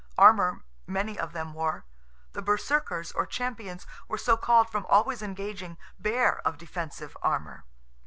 Armour many of them wore; the Berserkers, or champions, were so called from always engaging, bare of defensive armour.